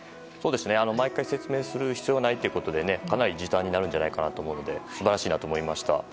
毎回説明する必要がないということでかなり時短になるんじゃないかと思うので素晴らしいと思いました。